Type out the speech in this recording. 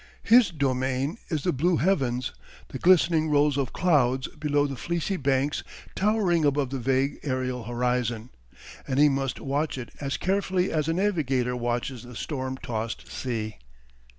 His domain is the blue heavens, the glistening rolls of clouds below the fleecy banks towering above the vague aërial horizon, and he must watch it as carefully as a navigator watches the storm tossed sea.